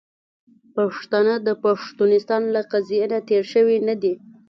پښتانه د پښتونستان له قضیې نه تیر شوي نه دي .